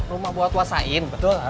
rumah buat wasain